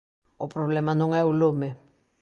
O problema non é o lume.